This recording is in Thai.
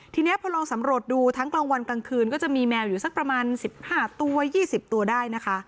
ทีนี้พอลองสำรวจดูทั้งกลางวันกลางคืนก็จะมีแมวอยู่สักประมาณ๑๕ตัว๒๐ตัวได้นะคะ